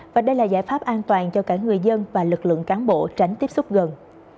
và đây là giải pháp an toàn cho cả người dân và lực lượng cán bộ tránh tiếp xúc gần